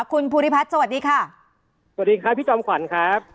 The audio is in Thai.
คุณภูริพัฒน์สวัสดีค่ะสวัสดีครับพี่จอมขวัญครับ